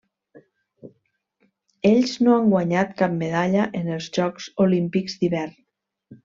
Ells no han guanyat cap medalla en els Jocs Olímpics d'Hivern.